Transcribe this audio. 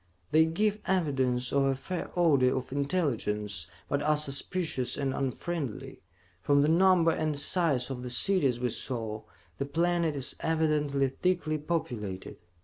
They give evidence of a fair order of intelligence, but are suspicious and unfriendly. From the number and size of the cities we saw, this planet is evidently thickly populated.